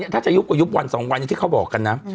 ถ้าจะยุบกว่ายุบวัน๒วันนี้ที่เขาบอกกันนะ